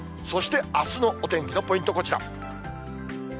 そしてあすのお天気のポイント、こちら。